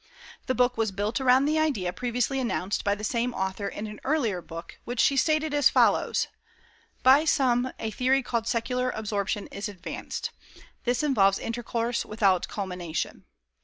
The book was built around the idea previously announced by the same author in an earlier book, which she stated as follows: "By some a theory called 'secular absorption' is advanced. This involves intercourse without culmination."